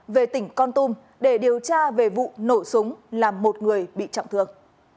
về tỉnh con tum để điều tra về vụ nổ súng làm một người bị trọng thương